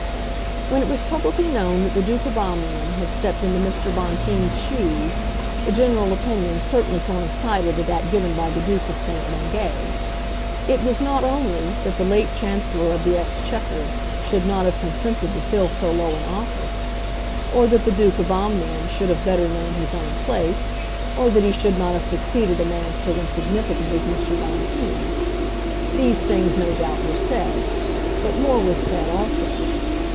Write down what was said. When it was publicly known that the Duke of Omnium had stepped into Mr. Bonteen's shoes, the general opinion certainly coincided with that given by the Duke of St. Bungay. It was not only that the late Chancellor of the Exchequer should not have consented to fill so low an office, or that the Duke of Omnium should have better known his own place, or that he should not have succeeded a man so insignificant as Mr. Bonteen. These things, no doubt, were said, but more was said also.